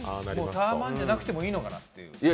タワマンじゃなくてもいいのかなと。